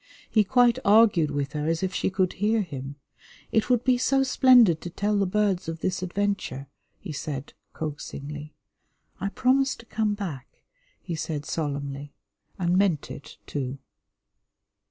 He quite argued with her as if she could hear him. "It would be so splendid to tell the birds of this adventure," he said coaxingly. "I promise to come back," he said solemnly and meant it, too.